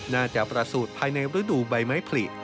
ประสูจน์ภายในฤดูใบไม้ผลิ